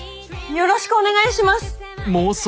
よろしくお願いします！